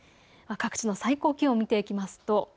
各地の最高気温を見ていきます。